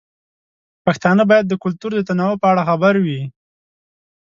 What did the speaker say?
پښتانه باید د کلتور د تنوع په اړه خبر وي.